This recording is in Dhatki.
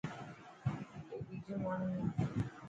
اي ٻيجو ماڻهو هي.